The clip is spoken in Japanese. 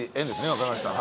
わかりました。